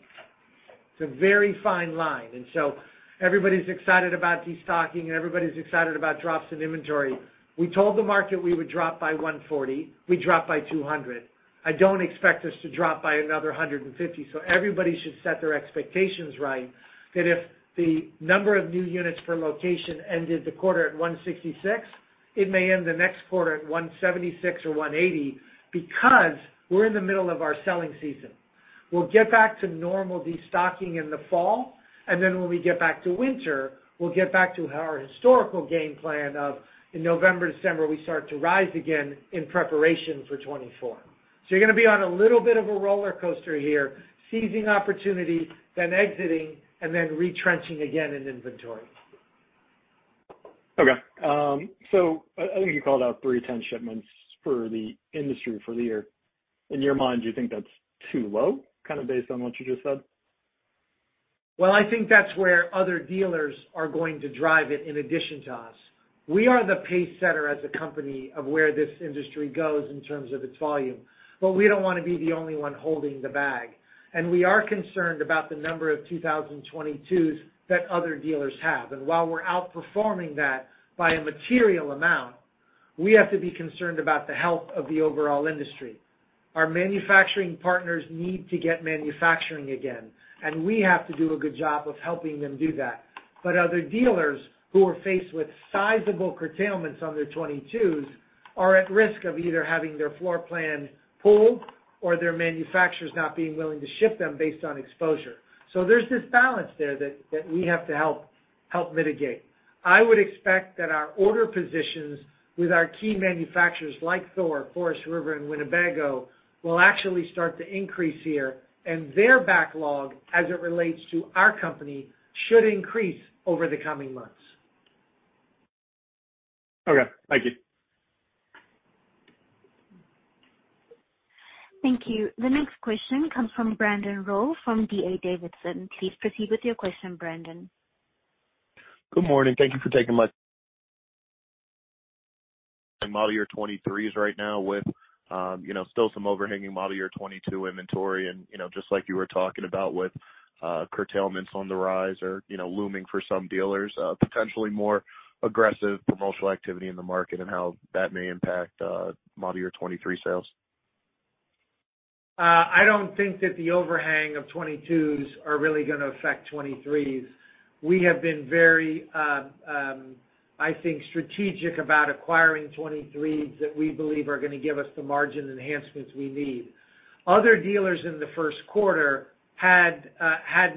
It's a very fine line. Everybody's excited about destocking, and everybody's excited about drops in inventory. We told the market we would drop by $140 million. We dropped by 200. I don't expect us to drop by another 150. Everybody should set their expectations right that if the number of new units per location ended the quarter at 166, it may end the next quarter at 176 or 180 because we're in the middle of our selling season. We'll get back to normal destocking in the fall, and then when we get back to winter, we'll get back to our historical game plan of in November, December, we start to rise again in preparation for 2024. You're gonna be on a little bit of a roller coaster here, seizing opportunity, then exiting, and then retrenching again in inventory. Okay. I think you called out 310 shipments for the industry for the year. In your mind, do you think that's too low, kind of based on what you just said? I think that's where other dealers are going to drive it in addition to us. We are the pacesetter as a company of where this industry goes in terms of its volume, but we don't wanna be the only one holding the bag. We are concerned about the number of 2022s that other dealers have. While we're outperforming that by a material amount, we have to be concerned about the health of the overall industry. Our manufacturing partners need to get manufacturing again, and we have to do a good job of helping them do that. Other dealers who are faced with sizable curtailments on their 2022s are at risk of either having their floor plan pulled or their manufacturers not being willing to ship them based on exposure. There's this balance there that we have to help mitigate. I would expect that our order positions with our key manufacturers like Thor, Forest River, and Winnebago will actually start to increase here, and their backlog, as it relates to our company, should increase over the coming months. Okay. Thank you. Thank you. The next question comes from Brandon Rollé from D.A. Davidson. Please proceed with your question, Brandon. Good morning. Thank you for taking my model year 2023s right now with, you know, still some overhanging model year 22 inventory and, you know, just like you were talking about with, curtailments on the rise or, you know, looming for some dealers, potentially more aggressive promotional activity in the market and how that may impact, model year 23 sales. I don't think that the overhang of 2022s are really going to affect 2023s. We have been very, I think, strategic about acquiring 2023s that we believe are going to give us the margin enhancements we need. Other dealers in the first quarter had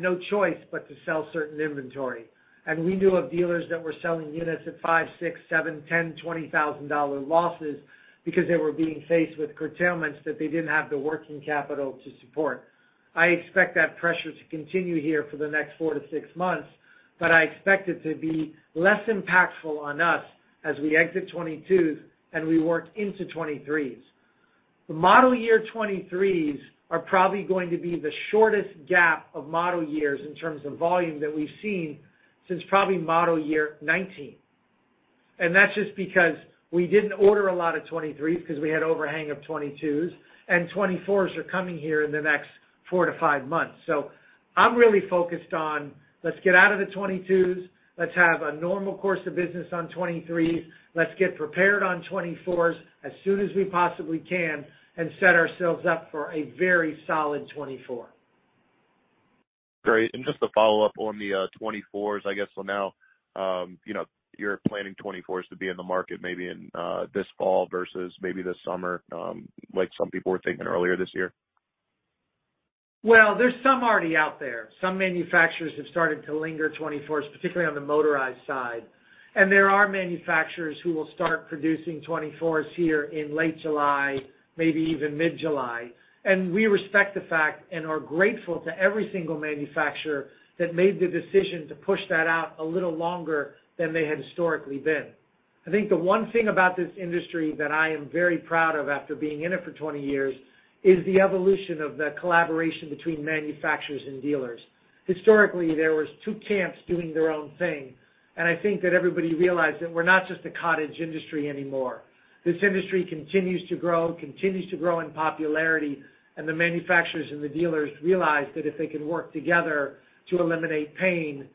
no choice but to sell certain inventory. We knew of dealers that were selling units at $5,000, $6,000, $7,000, $10,000, $20,000 losses because they were being faced with curtailments that they did not have the working capital to support. I expect that pressure to continue here for the next four to six months, but I expect it to be less impactful on us as we exit 2022s and we work into 2023s. The model year 2023s are probably going to be the shortest gap of model years in terms of volume that we have seen since probably model year 19. That's just because we didn't order a lot of 2023s because we had overhang of 2022s, and 2024s are coming here in the next four to five months. I'm really focused on, let's get out of the 2022s. Let's have a normal course of business on 2023s. Let's get prepared on 2024s as soon as we possibly can and set ourselves up for a very solid 2024. Great. Just to follow up on the 2024s, I guess so now, you know, you're planning 2024s to be in the market maybe in this fall versus maybe this summer, like some people were thinking earlier this year? Well, there's some already out there. Some manufacturers have started to linger 2024s, particularly on the motorized side. There are manufacturers who will start producing 2024s here in late July, maybe even mid-July. We respect the fact and are grateful to every single manufacturer that made the decision to push that out a little longer than they had historically been. I think the one thing about this industry that I am very proud of after being in it for 20 years is the evolution of the collaboration between manufacturers and dealers. Historically, there was two camps doing their own thing, and I think that everybody realized that we're not just a cottage industry anymore. This industry continues to grow, continues to grow in popularity, and the manufacturers and the dealers realize that if they can work together to eliminate pain,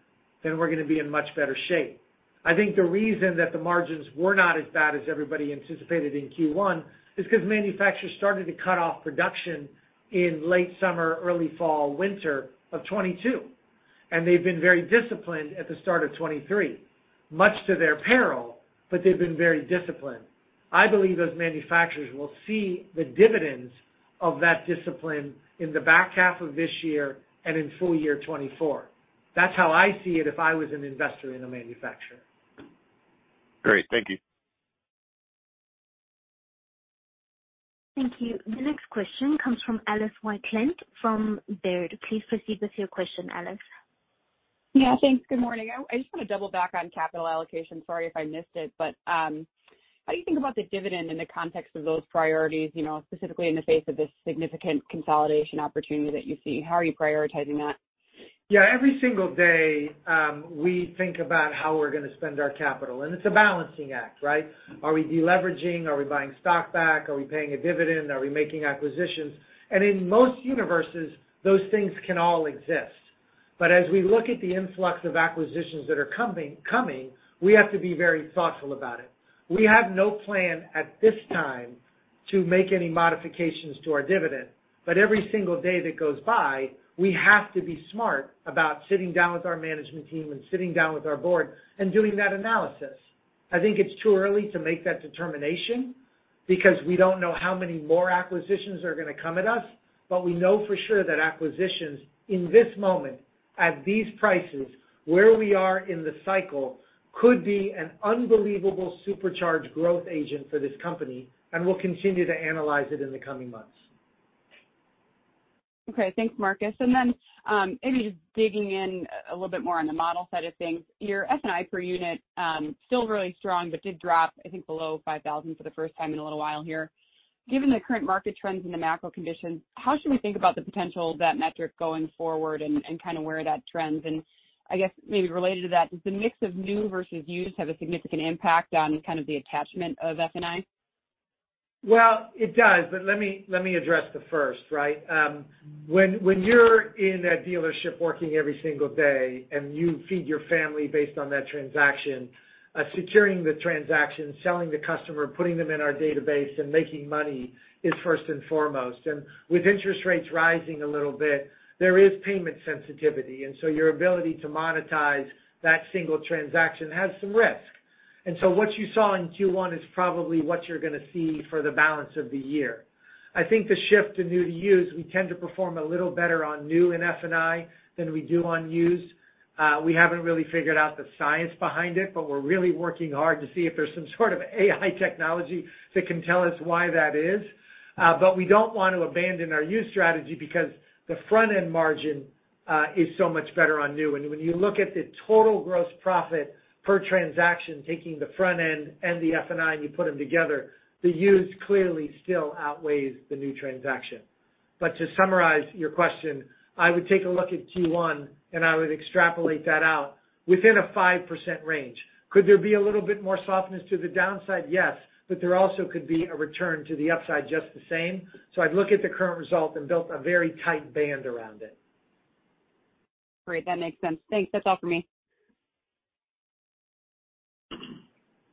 then we're gonna be in much better shape. I think the reason that the margins were not as bad as everybody anticipated in Q1 is 'cause manufacturers started to cut off production in late summer, early fall, winter of 2022, and they've been very disciplined at the start of 2023, much to their peril, but they've been very disciplined. I believe those manufacturers will see the dividends of that discipline in the back half of this year and in full year 2024. That's how I see it if I was an investor in a manufacturer. Great. Thank you. Thank you. The next question comes from Alice Wycklendt from Baird. Please proceed with your question, Alice. Yeah. Thanks. Good morning. I just want to double back on capital allocation. Sorry if I missed it, but how do you think about the dividend in the context of those priorities, you know, specifically in the face of this significant consolidation opportunity that you see? How are you prioritizing that? Yeah. Every single day, we think about how we're gonna spend our capital, and it's a balancing act, right? Are we deleveraging? Are we buying stock back? Are we paying a dividend? Are we making acquisitions? In most universes, those things can all exist. As we look at the influx of acquisitions that are coming, we have to be very thoughtful about it. We have no plan at this time to make any modifications to our dividend. Every single day that goes by, we have to be smart about sitting down with our management team and sitting down with our board and doing that analysis. I think it's too early to make that determination because we don't know how many more acquisitions are gonna come at us. We know for sure that acquisitions in this moment at these prices, where we are in the cycle, could be an unbelievable supercharged growth agent for this company, and we'll continue to analyze it in the coming months. Okay. Thanks, Marcus. Maybe just digging in a little bit more on the model side of things. Your F&I per unit, still really strong but did drop, I think, below $5,000 for the first time in a little while here. Given the current market trends and the macro conditions, how should we think about the potential of that metric going forward and kinda where that trends? I guess maybe related to that, does the mix of new versus used have a significant impact on kind of the attachment of F&I? It does, but let me address the first, right? When you're in a dealership working every single day and you feed your family based on that transaction, securing the transaction, selling the customer, putting them in our database and making money is first and foremost. With interest rates rising a little bit, there is payment sensitivity, and so your ability to monetize that single transaction has some risk. What you saw in Q1 is probably what you're gonna see for the balance of the year. I think the shift to new to used, we tend to perform a little better on new in F&I than we do on used. We haven't really figured out the science behind it, but we're really working hard to see if there's some sort of AI technology that can tell us why that is. We don't want to abandon our used strategy because the front-end margin is so much better on new. When you look at the total gross profit per transaction, taking the front end and the F&I, and you put them together, the used clearly still outweighs the new transaction. To summarize your question, I would take a look at Q1 and I would extrapolate that out within a 5% range. Could there be a little bit more softness to the downside? Yes. There also could be a return to the upside just the same. I'd look at the current result and built a very tight band around it. Great. That makes sense. Thanks. That's all for me.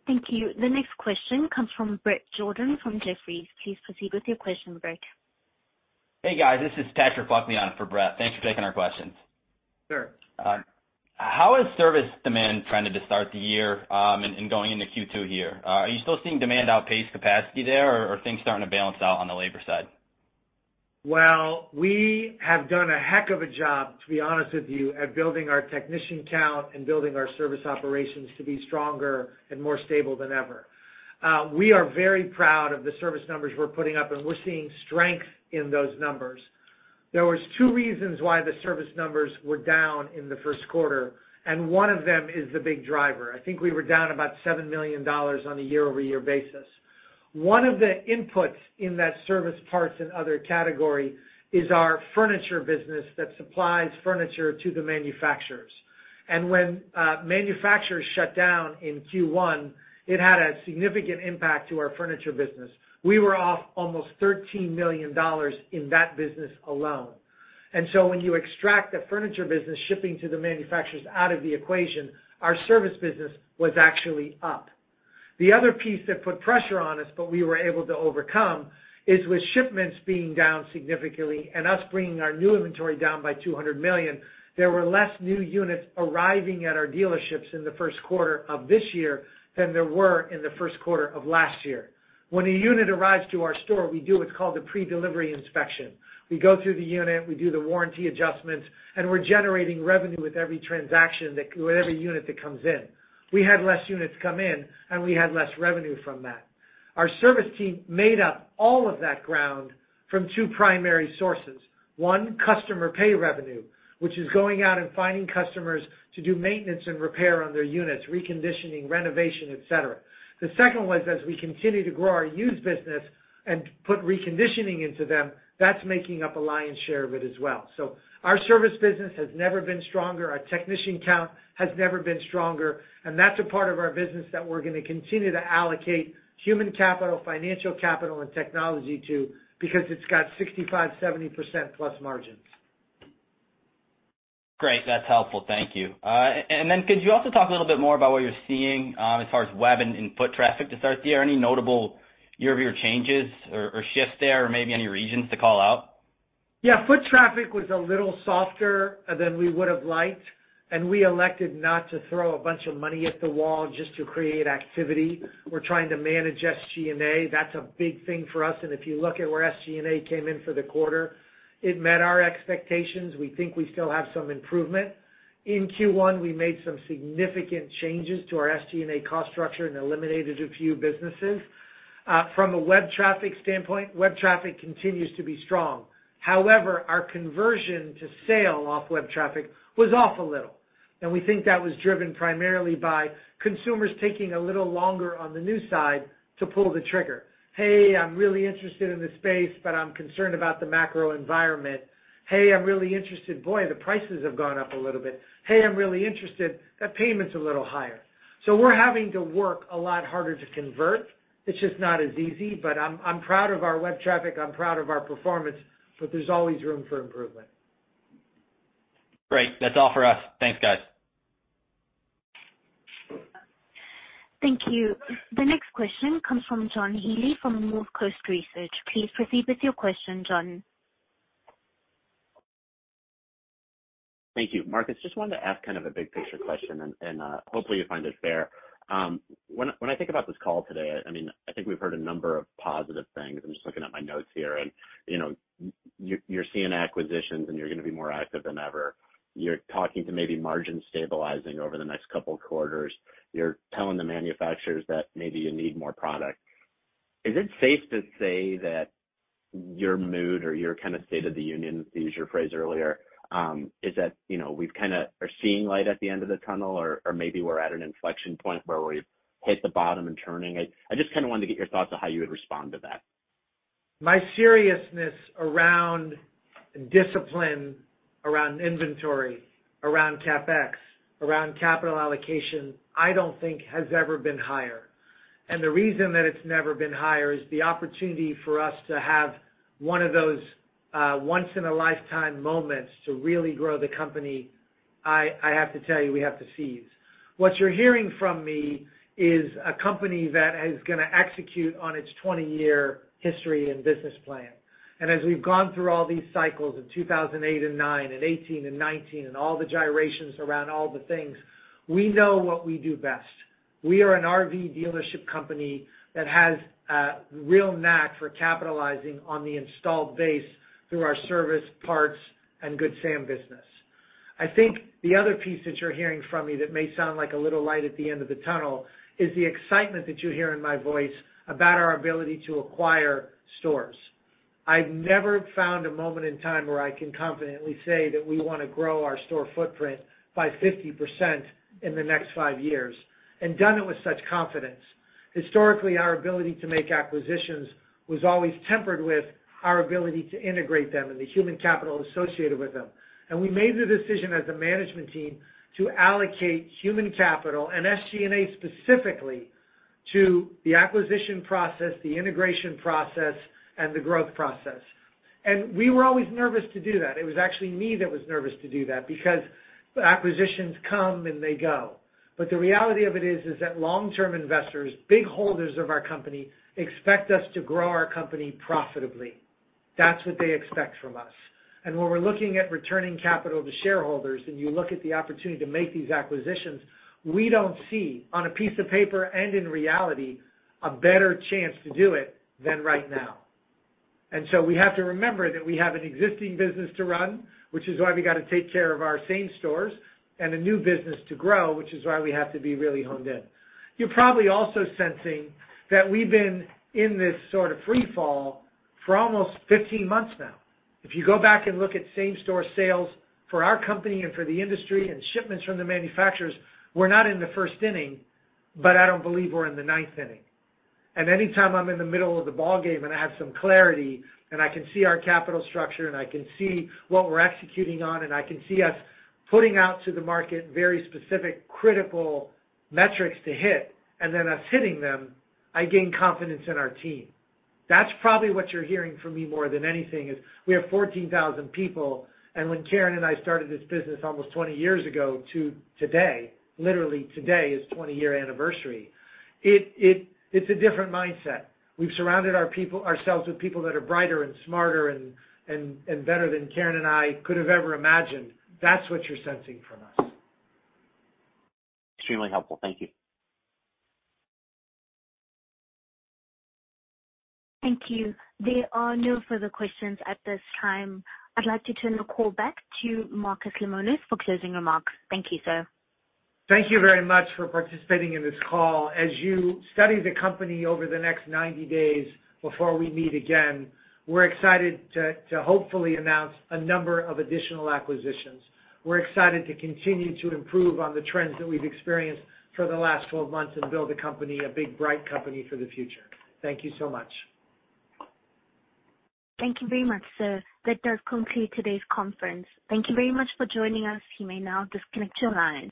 Thank you. The next question comes from Bret Jordan from Jefferies. Please proceed with your question, Bret. Hey, guys, this is Patrick Buckley for Bret. Thanks for taking our questions. Sure. How has service demand trended to start the year, in going into Q2 here? Are you still seeing demand outpace capacity there, or are things starting to balance out on the labor side? Well, we have done a heck of a job, to be honest with you, at building our technician count and building our service operations to be stronger and more stable than ever. We are very proud of the service numbers we're putting up, and we're seeing strength in those numbers. There was 2 reasons why the service numbers were down in the first quarter, and one of them is the big driver. I think we were down about $7 million on a year-over-year basis. One of the inputs in that service parts and other category is our furniture business that supplies furniture to the manufacturers. When manufacturers shut down in Q1, it had a significant impact to our furniture business. We were off almost $13 million in that business alone. When you extract the furniture business shipping to the manufacturers out of the equation, our service business was actually up. The other piece that put pressure on us, but we were able to overcome, is with shipments being down significantly and us bringing our new inventory down by $200 million, there were less new units arriving at our dealerships in the first quarter of this year than there were in the first quarter of last year. When a unit arrives to our store, we do what's called a pre-delivery inspection. We go through the unit, we do the warranty adjustments, and we're generating revenue with every unit that comes in. We had less units come in, and we had less revenue from that. Our service team made up all of that ground from 2 primary sources. One, customer pay revenue, which is going out and finding customers to do maintenance and repair on their units, reconditioning, renovation, et cetera. The second was, as we continue to grow our used business and put reconditioning into them, that's making up a lion's share of it as well. Our service business has never been stronger. Our technician count has never been stronger, and that's a part of our business that we're gonna continue to allocate human capital, financial capital, and technology to because it's got 65% to 70%+ margins. Great. That's helpful. Thank you. Could you also talk a little bit more about what you're seeing, as far as web and in-foot traffic to start the year? Any notable year-over-year changes or shifts there or maybe any regions to call out? Yeah, foot traffic was a little softer than we would have liked, and we elected not to throw a bunch of money at the wall just to create activity. We're trying to manage SG&A. That's a big thing for us. If you look at where SG&A came in for the quarter, it met our expectations. We think we still have some improvement. In Q1, we made some significant changes to our SG&A cost structure and eliminated a few businesses. From a web traffic standpoint, web traffic continues to be strong. However, our conversion to sale off web traffic was off a little, and we think that was driven primarily by consumers taking a little longer on the new side to pull the trigger. Hey, I'm really interested in this space, but I'm concerned about the macro environment. Hey, I'm really interested. Boy, the prices have gone up a little bit. Hey, I'm really interested. That payment's a little higher. We're having to work a lot harder to convert. It's just not as easy. I'm proud of our web traffic, I'm proud of our performance, but there's always room for improvement. Great. That's all for us. Thanks, guys. Thank you. The next question comes from John Healy from Northcoast Research. Please proceed with your question, John. Thank you. Marcus, just wanted to ask kind of a big picture question and, hopefully you find this fair. When I think about this call today, I mean, I think we've heard a number of positive things. I'm just looking at my notes here and, you know, you're seeing acquisitions and you're gonna be more active than ever. You're talking to maybe margins stabilizing over the next couple quarters. You're telling the manufacturers that maybe you need more product. Is it safe to say that your mood or your kind of state of the union, to use your phrase earlier, is that, you know, we've kinda are seeing light at the end of the tunnel or maybe we're at an inflection point where we've hit the bottom and turning? I just kinda wanted to get your thoughts on how you would respond to that? My seriousness around discipline, around inventory, around CapEx, around capital allocation, I don't think has ever been higher. The reason that it's never been higher is the opportunity for us to have one of those once in a lifetime moments to really grow the company, I have to tell you, we have to seize. What you're hearing from me is a company that is gonna execute on its 20-year history and business plan. As we've gone through all these cycles in 2008 and 2009 and 2018 and 2019 and all the gyrations around all the things, we know what we do best. We are an RV dealership company that has a real knack for capitalizing on the installed base through our service parts and Good Sam business. I think the other piece that you're hearing from me that may sound like a little light at the end of the tunnel is the excitement that you hear in my voice about our ability to acquire stores. I've never found a moment in time where I can confidently say that we wanna grow our store footprint by 50% in the next five years and done it with such confidence. Historically, our ability to make acquisitions was always tempered with our ability to integrate them and the human capital associated with them. We made the decision as a management team to allocate human capital and SG&A specifically to the acquisition process, the integration process, and the growth process. We were always nervous to do that. It was actually me that was nervous to do that because acquisitions come and they go. The reality of it is that long-term investors, big holders of our company, expect us to grow our company profitably. That's what they expect from us. When we're looking at returning capital to shareholders, and you look at the opportunity to make these acquisitions, we don't see on a piece of paper and in reality, a better chance to do it than right now. We have to remember that we have an existing business to run, which is why we got to take care of our same stores and a new business to grow, which is why we have to be really honed in. You're probably also sensing that we've been in this sort of free fall for almost 15 months now. If you go back and look at same store sales for our company and for the industry and shipments from the manufacturers, we're not in the first inning, but I don't believe we're in the ninth inning. Anytime I'm in the middle of the ballgame, and I have some clarity, and I can see our capital structure, and I can see what we're executing on, and I can see us putting out to the market very specific critical metrics to hit and then us hitting them, I gain confidence in our team. That's probably what you're hearing from me more than anything, is we have 14,000 people. When Karin and I started this business almost 20 years ago to today, literally today is 20-year anniversary. It's a different mindset. We've surrounded ourselves with people that are brighter and smarter and better than Karin and I could have ever imagined. That's what you're sensing from us. Extremely helpful. Thank you. Thank you. There are no further questions at this time. I'd like to turn the call back to Marcus Lemonis for closing remarks. Thank you, sir. Thank you very much for participating in this call. As you study the company over the next 90 days before we meet again, we're excited to hopefully announce a number of additional acquisitions. We're excited to continue to improve on the trends that we've experienced for the last 12 months and build a company, a big, bright company for the future. Thank you so much. Thank you very much, sir. That does conclude today's conference. Thank you very much for joining us. You may now disconnect your line.